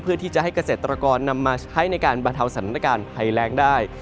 เพื่อที่จะให้เกษตรกรนำมาใช้ในการบรรเทาสถานการณ์ภัยแรงได้